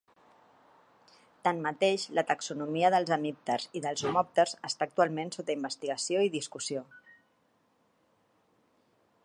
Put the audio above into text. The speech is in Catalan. Tanmateix, la taxonomia dels hemípters i dels homòpters està actualment sota investigació i discussió.